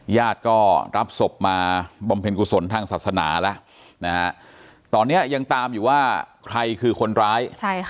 ญาติก็รับศพมาบำเพ็ญกุศลทางศาสนาแล้วนะฮะตอนนี้ยังตามอยู่ว่าใครคือคนร้าย